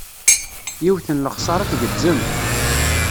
Yiwet n lexsara tgezzem.